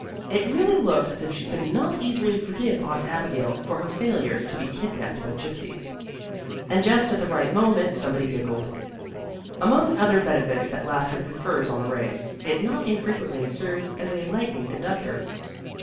It really looked as if she could not easily forgive Aunt Abigail for her failure to be kidnapped by gypsies. And just at the right moment somebody giggled. Among other benefits that laughter confers on the race, it not infrequently serves as a lightning conductor.